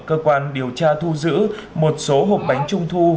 cơ quan điều tra thu giữ một số hộp bánh trung thu